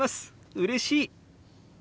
うれしい！」。